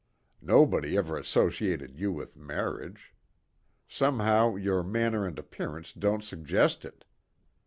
Nobody ever associated you with marriage. Somehow your manner and appearance don't suggest it.